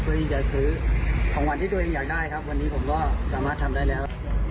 เพื่อที่จะซื้อของวันที่ตัวเองอยากได้ครับวันนี้ผมก็สามารถทำได้แล้ว